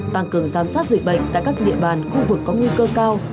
tăng cường giám sát dịch bệnh tại các địa bàn khu vực có nguy cơ cao